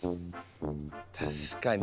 確かに。